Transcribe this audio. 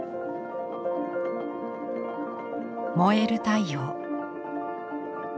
燃える太陽。